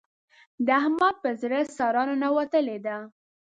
د احمد په زړه ساړه ننوتلې ده.